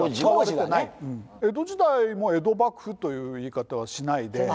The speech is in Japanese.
江戸時代も江戸幕府という言い方はしないで。